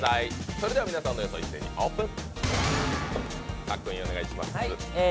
それでは皆さんの予想を一斉にオープン。